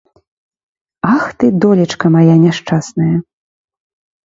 Ах ты, долечка мая няшчасная!